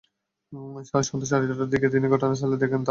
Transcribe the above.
সন্ধ্যা সাড়ে ছয়টার দিকে তিনি ঘটনাস্থলে গিয়ে দেখেন তাঁর মেয়ে মারা গেছেন।